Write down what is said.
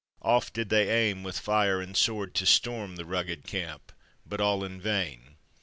Oft did they aim With fire and sword to storm the rugged camp, But all in vain.